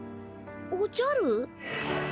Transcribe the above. おじゃる？